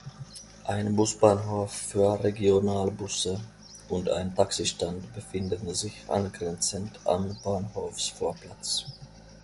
Ein Busbahnhof für Regionalbusse und ein Taxistand befinden sich angrenzend am Bahnhofsvorplatz.